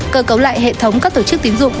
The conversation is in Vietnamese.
cơ cấu lại hệ thống các tổ chức tín dụng